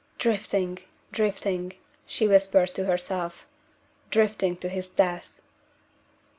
"Drifting! drifting!" she whispers to herself "drifting to his death!"